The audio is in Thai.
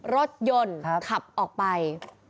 รถยนต์ขับออกไป